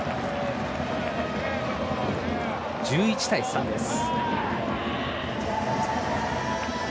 １１対３です。